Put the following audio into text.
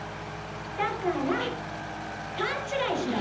だから「勘違い」しろ。